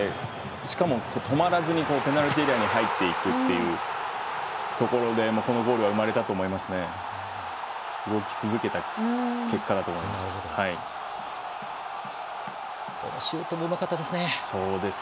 しかも、止まらずにペナルティーエリアに入っていくというところでこのゴールが生まれたと思います。